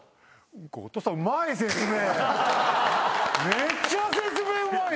めっちゃ説明うまい！